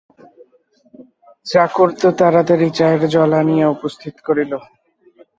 চাকর তো তাড়াতাড়ি চায়ের জল আনিয়া উপস্থিত করিল।